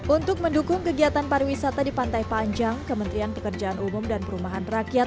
untuk mendukung kegiatan pariwisata di pantai panjang kementerian pekerjaan umum dan perumahan rakyat